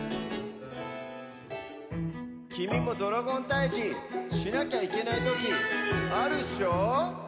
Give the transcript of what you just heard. きみもドラゴンたいじしなゃきゃいけないときあるっしょ？